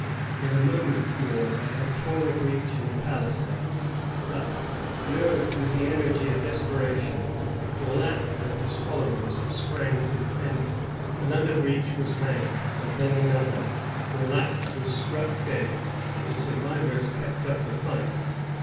In a moment more they had torn a breach in the palisade; but, nerved with the energy of despera* tion, Daulac and his followers sprang to defend it. ji t:^ n.Mf^ of noihmi. 1660.] THE FORT TAKEN. ' 187 Another breach was made, and then another. Daulac was struck dead, but the survivors kept up the fight.